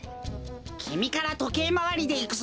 きみからとけいまわりでいくぞ！